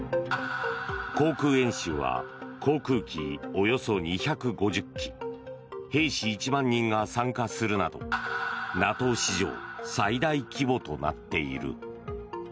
航空演習は航空機およそ２５０機兵士１万人が参加するなどＮＡＴＯ史上最大規模となっている。